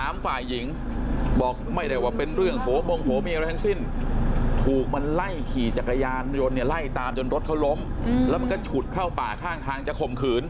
มันก็ตามจนรถเขาล้มแล้วมันก็ฉุดเข้าป่าข้างทางจะข่มขืน